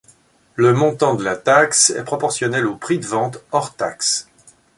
Le montant de la taxe est proportionnel au prix de vente hors taxe.